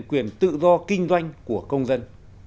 quyền tự do kinh doanh của công dân